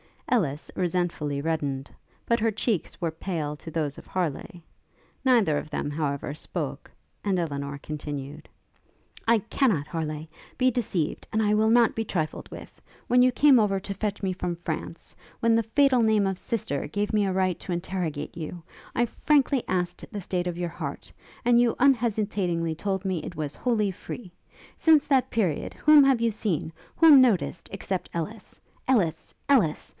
Ellis resentfully reddened; but her cheeks were pale to those of Harleigh. Neither of them, however, spoke; and Elinor continued. 'I cannot, Harleigh, be deceived, and I will not be trifled with. When you came over to fetch me from France; when the fatal name of sister gave me a right to interrogate you, I frankly asked the state of your heart, and you unhesitatingly told me that it was wholly free. Since that period, whom have you seen, whom noticed, except Ellis! Ellis! Ellis!